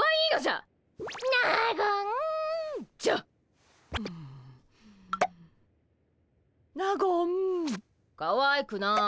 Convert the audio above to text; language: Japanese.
あかわいくない。